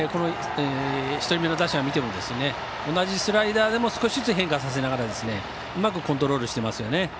１人目の打席を見ても同じスライダーでも少しずつ変化させながらうまくコントロールしていますね。